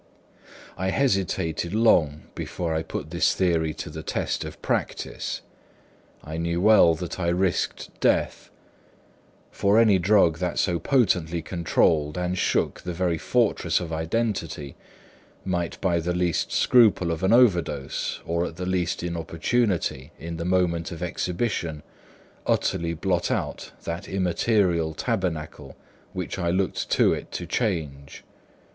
I hesitated long before I put this theory to the test of practice. I knew well that I risked death; for any drug that so potently controlled and shook the very fortress of identity, might, by the least scruple of an overdose or at the least inopportunity in the moment of exhibition, utterly blot out that immaterial tabernacle which I looked to it to change.